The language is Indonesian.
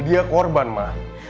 dia korban ma